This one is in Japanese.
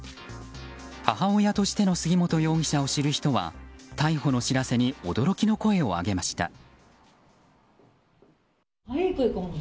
母親としての杉本容疑者を知る人は逮捕の知らせに驚きの声を上げました。